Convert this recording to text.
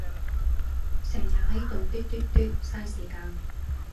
成日係到嘟嘟嘟，晒時間